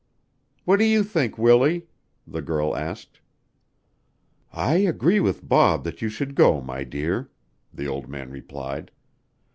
"What do you think, Willie?" the girl asked. "I agree with Bob that you should go, my dear," the old man replied.